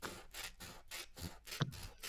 Yigit edi sohibjamol